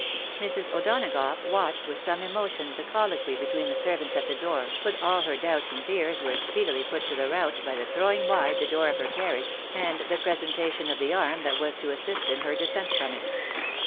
Mrs. O'Donagough wjttched with some emotion the col loquy between the servants at the door, but all her doubts and fears were speedily put to the rout by the throwing wide the door of her carriage, and the presentation of the arm that was to assist in her descent from it.